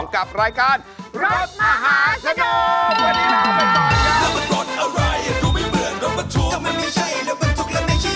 กับรายการรถมหาสนุก